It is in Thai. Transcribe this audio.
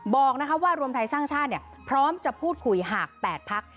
บอกว่ารวมไทยสร้างชาติพร้อมจะพูดคุยหาก๘พัก